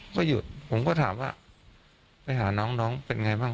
ก็หยุดผมก็ถามว่าไปหาน้องน้องเป็นไงบ้าง